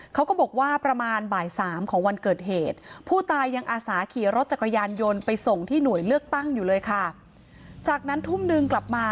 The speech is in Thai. เขาก็บอกว่าประมาณบ่ายสามของวันเกิดเหตุผู้ตายังอาศาขี่รถจักรยานยนต์ไปส่งที่หน่วยเลือกตั้งอยู่เลยค่ะ